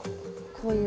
こういう。